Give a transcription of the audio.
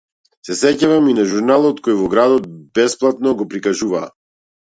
Се сеќавам и на журналот кој во градот бесплатно го прикажуваа.